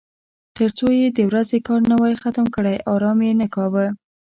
تر څو یې د ورځې کار نه وای ختم کړی ارام یې نه کاوه.